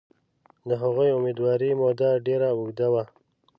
د هغوی امیندوارۍ موده ډېره اوږده وه.